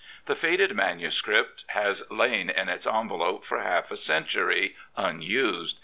The faded manuscript has lain in its envelope for half a century unused.